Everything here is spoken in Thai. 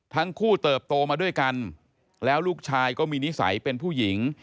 ทั้งคู่เติบโตมาด้วยกันแล้วลูกชายก็มีนิสัยเป็นผู้หญิง